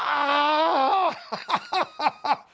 ハハハハハ！